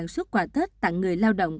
hai mươi xuất quà tết tặng người lao động